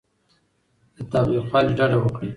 له تاوتریخوالي ډډه وکړئ.